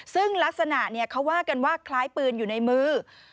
ซึ่งลักษณะเขาว่ากันว่าคล้ายปืนอยู่ในมือ